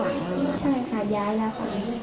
ใช่ค่ะย้ายแล้วค่ะ